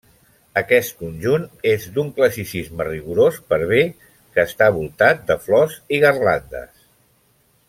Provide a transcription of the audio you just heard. Aquest conjunt és d'un classicisme rigorós per bé que està voltat de flors i garlandes.